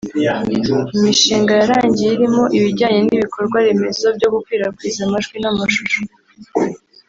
Imishinga yarangiye irimo ibijyanye n’ibikorwa remezo byo gukwirakwiza amajwi n’amashusho